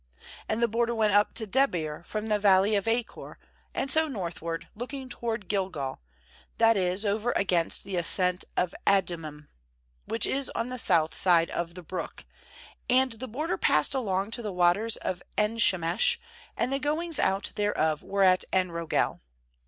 7And the border went up to Debir from the valley of Achor, and so northward, looking toward Gilgal, that is over against the ascent of Adummim, which is on the south side of the brook; and the border passed aloi_ shemesh, anc to the waters of En the goings out thereof were at En rogel.